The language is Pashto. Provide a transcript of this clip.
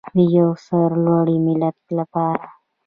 د یو سرلوړي ملت لپاره.